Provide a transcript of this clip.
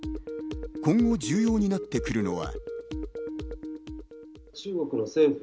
今後重要になってくるのは。